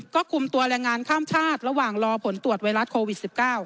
ก็คุมตัวแรงงานข้ามชาติระหว่างรอผลตรวจไวรัสโควิด๑๙